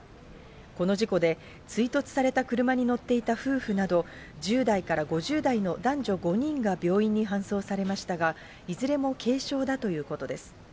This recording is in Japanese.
この事故で、追突された車に乗っていた夫婦など、１０代から５０代の男女５人が病院に搬送されましたが、いずれも軽傷だということです。